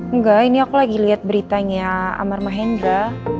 enggak ini aku lagi lihat beritanya amar mahendra